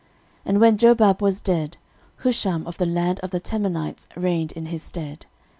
13:001:045 And when Jobab was dead, Husham of the land of the Temanites reigned in his stead.